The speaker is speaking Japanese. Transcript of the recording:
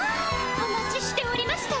お待ちしておりましたわ！